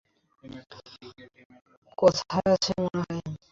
কোথায় আছে মনে হয়!